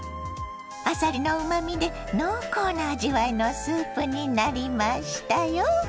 あさりのうまみで濃厚な味わいのスープになりましたよ。